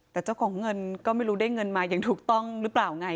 แต่เจ้าของเงินก็ไม่รู้ได้เงินมาอย่างถูกต้องหรือเปล่าไง